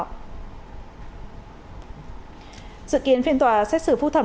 dự kiến phiên tòa xét xử phúc thẩm